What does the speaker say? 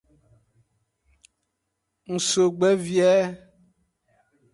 Ngsogbe vie.